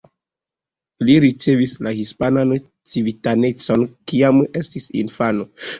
Li ricevis la hispanan civitanecon kiam estis infano.